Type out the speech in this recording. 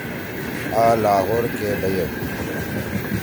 آ لاہور کے بیدُو